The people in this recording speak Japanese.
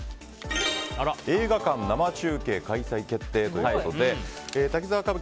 映画館生中継開催決定ということで「滝沢歌舞伎」